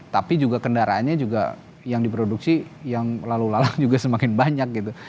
tapi juga kendaraannya juga yang diproduksi yang lalu lalang juga semakin banyak gitu